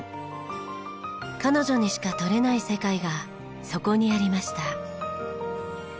彼女にしか撮れない世界がそこにありました。